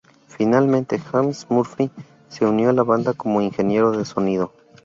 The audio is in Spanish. Finalmente James Murphy se unió a la banda como ingeniero de sonido.